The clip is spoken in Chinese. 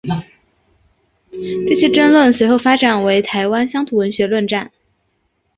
这些争论随后发展为台湾乡土文学论战。